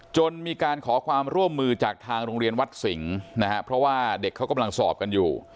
จนมีการขอความร่วมมือจากทางโรงเรียนวัดสิงห์นะฮะเพราะว่าเด็กเขากำลังสอบกันอยู่